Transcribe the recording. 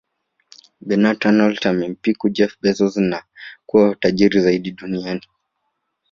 Bernard Arnault amempiku Jeff Bezos na kuwa mtu tajiri zaidi duniani